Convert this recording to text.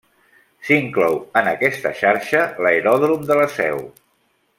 S'inclou en aquesta xarxa l'aeròdrom de la Seu.